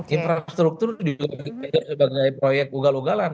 infrastruktur juga sebagai proyek ugal ugalan